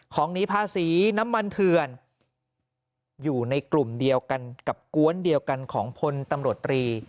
ของหนีภาษีน้ำมันเถื่อนอยู่ในกลุ่มเดียวกันกับกวนเดียวกันของพลตำรวจตรี